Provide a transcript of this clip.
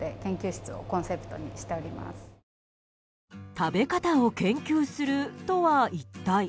食べ方を研究するとは一体。